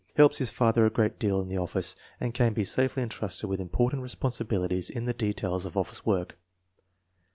Helps his father a great deal in the office, and can be safely entrusted with important responsibilities in the de tails of office work.